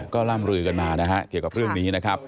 ก็ร่ำลือกันมานะฮะเกี่ยวกับเรื่องนี้นะครับ